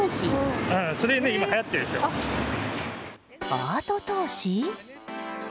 アート投資？